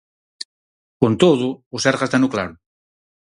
Con todo, o Sergas teno claro.